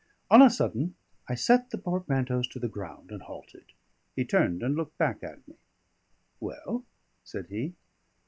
On a sudden I set the portmanteaus to the ground and halted. He turned and looked back at me. "Well?" said he.